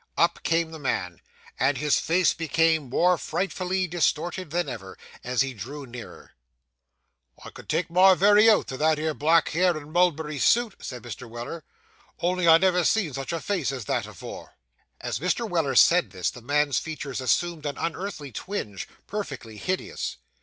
Up came the man, and his face became more frightfully distorted than ever, as he drew nearer. 'I could take my oath to that 'ere black hair and mulberry suit,' said Mr. Weller; 'only I never see such a face as that afore.' As Mr. Weller said this, the man's features assumed an unearthly twinge, perfectly hideous.